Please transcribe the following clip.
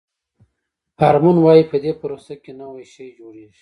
هارمون وایي په دې پروسه کې نوی شی جوړیږي.